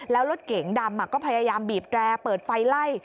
แล้วรถเก๋งดำก็พยายามบีบแตรเปิดไฟไล่